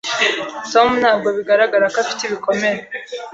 Tom ntabwo bigaragara ko afite ibikomere.